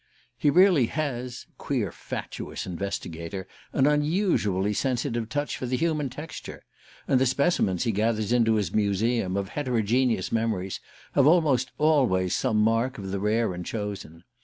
He really has queer fatuous investigator! an unusually sensitive touch for the human texture, and the specimens he gathers into his museum of heterogeneous memories have almost always some mark of the rare and chosen.